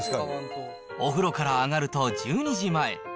お風呂から上がると１２時前。